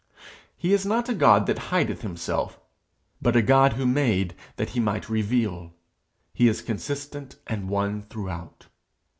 He is not a God that hideth himself, but a God who made that he might reveal; he is consistent and one throughout.